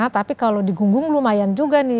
tapi kalau di gunggung lumayan juga nih